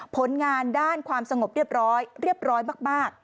ผลงานด้านความสงบเรียบร้อยเรียบร้อยมาก